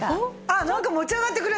あっなんか持ち上がってくる。